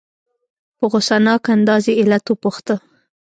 په غصناک انداز یې علت وپوښته.